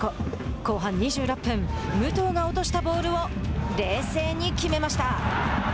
後半２６分武藤が落としたボールを冷静に決めました。